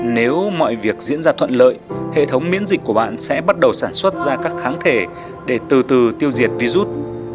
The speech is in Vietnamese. nếu mọi việc diễn ra thuận lợi hệ thống miễn dịch của bạn sẽ bắt đầu sản xuất ra các kháng thể để từ từ tiêu diệt virus